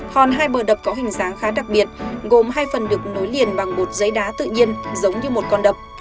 hòn hai bờ đập có hình dáng khá đặc biệt gồm hai phần được nối liền bằng bột giấy đá tự nhiên giống như một con đập